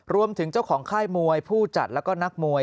รวมถึงเจ้าของค่ายมวยผู้จัดแล้วก็นักมวย